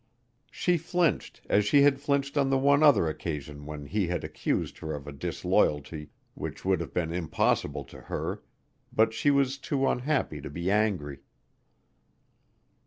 She flinched as she had flinched on the one other occasion when he had accused her of a disloyalty which would have been impossible to her, but she was too unhappy to be angry.